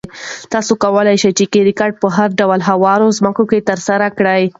تاسو کولای شئ چې کرکټ په هر ډول هواره ځمکه کې ترسره کړئ.